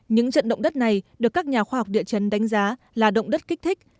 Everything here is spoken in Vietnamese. những trận động đất này được các nhà khoa học địa chấn đánh giá là động đất kích thích